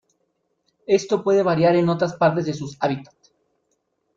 Esto puede variar en otras partes de sus hábitat".